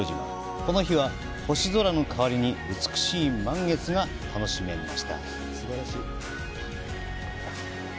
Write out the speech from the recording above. この日は星空の代わりに美しい満月が楽しめました。